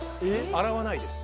洗わないです